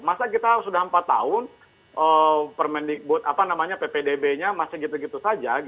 masa kita sudah empat tahun permendikbud ppdb nya masih gitu gitu saja